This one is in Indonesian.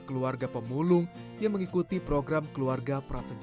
keluarga pemulung yang mengikuti program keluarga prasejahtera abdul berencana untuk